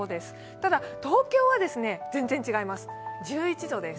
ただ東京は全然違います、１１度です。